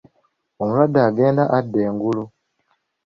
Omulwadde agenda adda engulu.